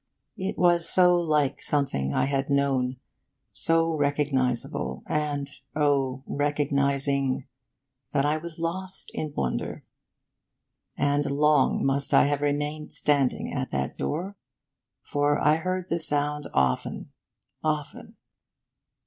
It was so like something I had known, so recognisable and, oh, recognising, that I was lost in wonder. And long must I have remained standing at that door, for I heard the sound often, often.